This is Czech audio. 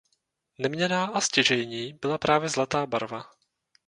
Neměnná a stěžejní byla právě zlatá barva.